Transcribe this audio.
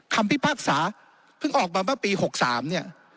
พิพากษาเพิ่งออกมาเมื่อปี๖๓เนี่ย